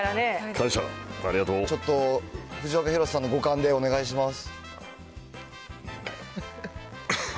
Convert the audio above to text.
ちょっと藤岡弘、さんの五感でお願いします。